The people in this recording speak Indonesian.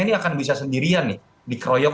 ini akan bisa sendirian nih dikeroyok